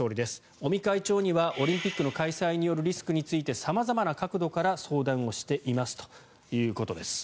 尾身会長にはオリンピック開催によるリスクについて様々な角度から相談をしていますということです。